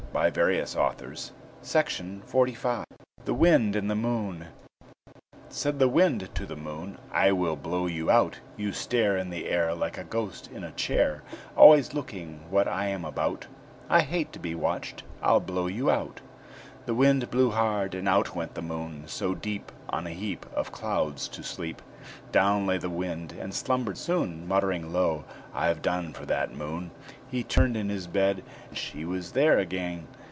ROBERT LOUIS STEVENSON THE WIND AND THE MOON Said the Wind to the Moon, "I will blow you out; You stare In the air Like a ghost in a chair, Always looking what I am about I hate to be watched; I'll blow you out." The Wind blew hard, and out went the Moon. So, deep On a heap Of clouds to sleep, Down lay the Wind, and slumbered soon, Muttering low, "I've done for that Moon." He turned in his bed; she was there again!